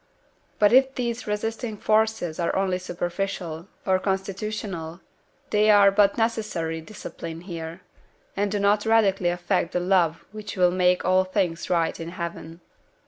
But if these resisting forces are only superficial, or constitutional, they are but the necessary discipline here, and do not radically affect the love which will make all things right in heaven.